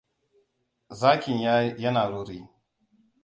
Zakin yana ruri.